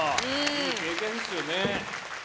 いい経験ですよね。